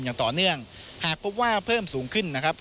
อย่างต่อเนื่องหากพบว่าเพิ่มสูงขึ้นนะครับ